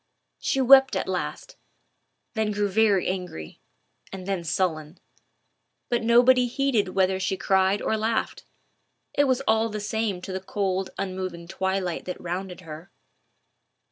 She wept at last, then grew very angry, and then sullen; but nobody heeded whether she cried or laughed. It was all the same to the cold unmoving twilight that rounded her.